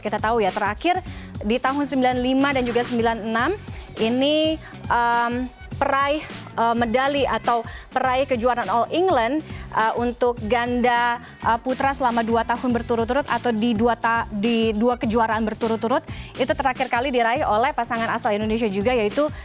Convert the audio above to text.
kita tahu ya terakhir di tahun seribu sembilan ratus sembilan puluh lima dan juga sembilan puluh enam ini peraih medali atau peraih kejuaraan all england untuk ganda putra selama dua tahun berturut turut atau di dua kejuaraan berturut turut itu terakhir kali diraih oleh pasangan asal indonesia juga yaitu